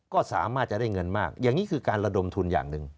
ก็สามารถจะได้เงินมากอย่างนี้คือการระดมทุนอย่างหนึ่ง